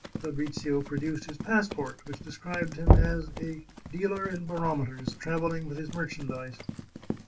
Fabrizio produced his passport, which described him as a " dealer in barometers, travelling with his merchandise."